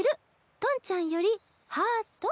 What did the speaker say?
トンちゃんよりハート」